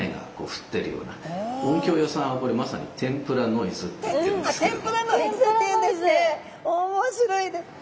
音響屋さんはこれまさにあっテンプラノイズっていうんですね。